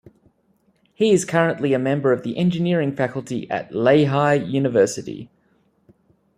He is currently a member of the engineering faculty at Lehigh University.